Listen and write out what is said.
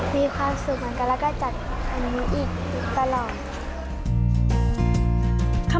มีความสุขเหมือนกันแล้วก็จัดอันนี้อีกตลอด